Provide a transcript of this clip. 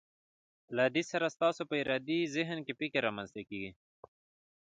له دې سره ستاسو په ارادي ذهن کې فکر رامنځته کیږي.